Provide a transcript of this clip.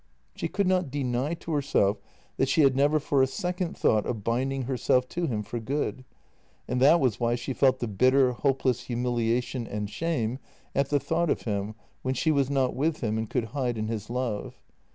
She could not deny to herself that she had never for a second thought of binding herself to him for good, and that was why she felt the bitter, hopeless humiliation and shame at the thought of him when she was not with him and could hide in his love.